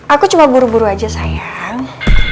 aku cuma buru buru aja sayang